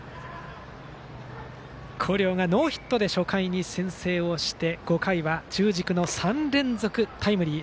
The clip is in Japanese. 広陵がノーヒットで初回に先制をして５回は中軸の３連続タイムリー。